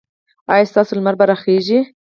ایا ستاسو لمر به راخېژي؟